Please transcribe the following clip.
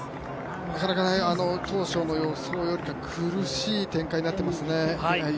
なかなか、当初の予想よりか苦しい展開になってますね。